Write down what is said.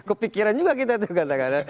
kepikiran juga kita tuh katakan